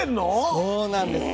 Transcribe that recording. そうなんです。